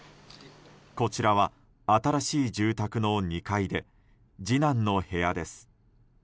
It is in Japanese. こちらは新しい住宅の２階で次男の部屋です。